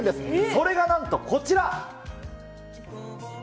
それがなんと、こちら！